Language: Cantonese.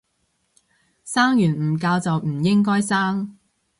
生完唔教就唔應該生